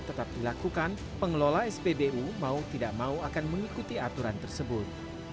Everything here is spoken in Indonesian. tetap dilakukan pengelola spbu mau tidak mau akan mengikuti aturan tersebut